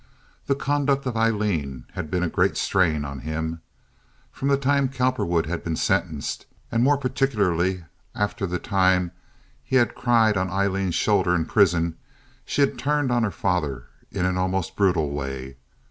The conduct of Aileen had been a great strain on him. From the time Cowperwood had been sentenced, and more particularly after the time he had cried on Aileen's shoulder in prison, she had turned on her father in an almost brutal way.